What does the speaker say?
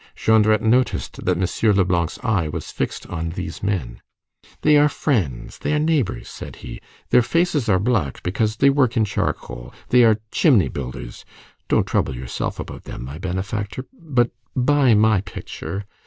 Jondrette noticed that M. Leblanc's eye was fixed on these men. "They are friends. They are neighbors," said he. "Their faces are black because they work in charcoal. They are chimney builders. Don't trouble yourself about them, my benefactor, but buy my picture.